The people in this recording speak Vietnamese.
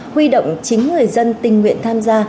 huy động chính người dân tình nguyện tham gia